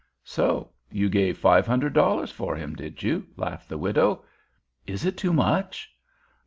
"So you gave five hundred dollars for him, did you?" laughed the widow. "Is it too much?"